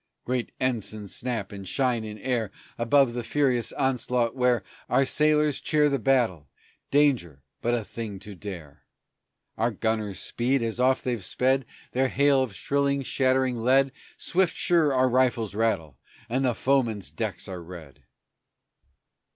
Great ensigns snap and shine in air Above the furious onslaught where Our sailors cheer the battle, danger but a thing to dare; Our gunners speed, as oft they've sped, Their hail of shrilling, shattering lead, Swift sure our rifles rattle, and the foeman's decks are red.